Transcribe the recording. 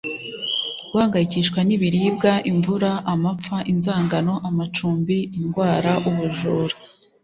guhangayikishwa n'ibiribwa, imvura, amapfa, inzangano, amacumbi, indwara, ubujura